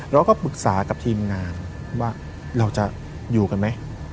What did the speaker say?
เราก็ปรึกษากับทีมงานว่าเราจะอยู่กันไหม